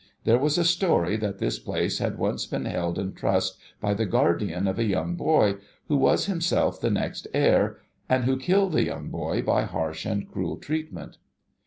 There was a storj' that this place had once been held in trust by the guardian of a young boy ; who was himself the next heir, and who killed the young boy by harsh and cruel treatment.